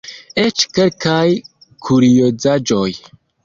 Eĉ kelkaj kuriozaĵoj.